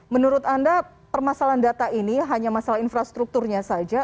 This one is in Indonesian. menurut anda permasalahan data ini hanya masalah infrastrukturnya saja